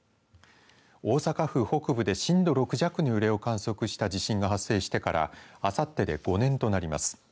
大阪府北部で震度６弱の揺れを観測した地震が発生してからあさってで５年となります。